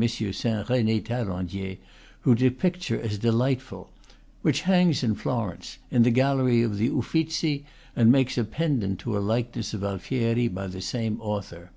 Saint Rene Taillandier, who depicts her as de lightful), which hangs in Florence, in the gallery of the Uffizzi, and makes a pendant to a likeness of Alfieri by the same author.